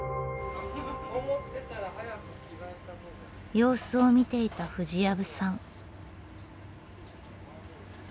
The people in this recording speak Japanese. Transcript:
様子を見ていた藤藪さん。